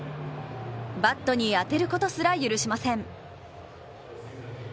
バットに当てることすら許しません。